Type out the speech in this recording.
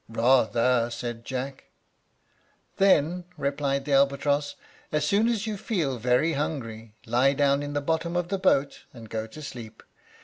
"Rather," said Jack. "Then," replied the albatross, "as soon as you feel very hungry, lie down in the bottom of the boat and go to sleep.